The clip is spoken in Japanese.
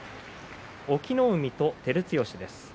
隠岐の海と照強です。